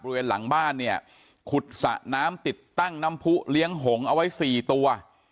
บริเวณหลังบ้านเนี่ยขุดสระน้ำติดตั้งน้ำผู้เลี้ยงหงเอาไว้๔ตัว